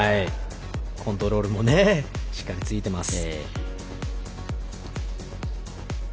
コントロールもしっかりついてます。